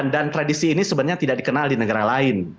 dan tradisi ini sebenarnya tidak dikenal di negara lain